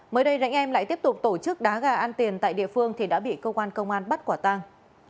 mới đây anh em lại tiếp tục tổ chức đá gà ăn tiền tại địa phương thì đã bị cơ quan công an bắt quả tang